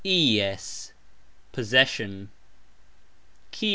"ies", possession.